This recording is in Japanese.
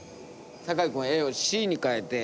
酒井君は「Ａ」を「Ｃ」に変えて。